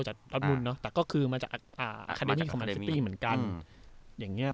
จากรัฐมนต์เนอะแต่ก็คือมาจากอ่าของมันเหมือนกันอย่างเงี้ย